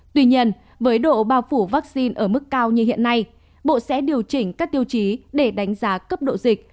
tuy nhiên với độ bao phủ vaccine ở mức cao như hiện nay bộ sẽ điều chỉnh các tiêu chí để đánh giá cấp độ dịch